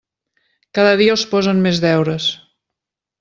Cada dia els posen més deures.